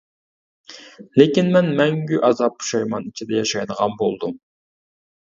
لېكىن مەن مەڭگۈ ئازاب پۇشايمان ئىچىدە ياشايدىغان بولدۇم.